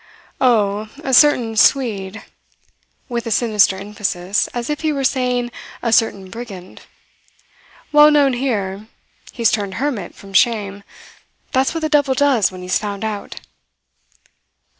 "Oh, a certain Swede," with a sinister emphasis, as if he were saying "a certain brigand." "Well known here. He's turned hermit from shame. That's what the devil does when he's found out."